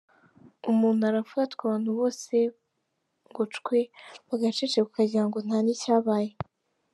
Umuntu arafatwa abantu bose ngo: “cwee “, bagaceceka ukagirango nta nicyabaye.